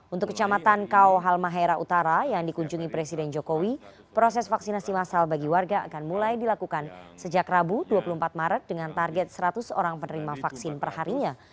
untuk kecamatan kau halmahera utara yang dikunjungi presiden jokowi proses vaksinasi masal bagi warga akan mulai dilakukan sejak rabu dua puluh empat maret dengan target seratus orang penerima vaksin perharinya